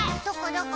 どこ？